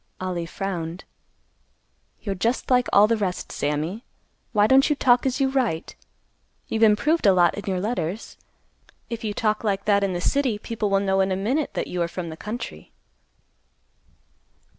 Ollie frowned; "You're just like all the rest, Sammy. Why don't you talk as you write? You've improved a lot in your letters. If you talk like that in the city; people will know in a minute that you are from the country."